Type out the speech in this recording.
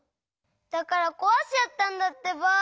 だからこわしちゃったんだってば。